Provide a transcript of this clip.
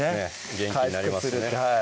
元気になりますね